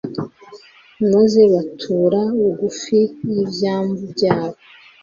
maze batura bugufi y'ibyambu byabo